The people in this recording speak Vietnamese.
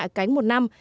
cảnh khách một năm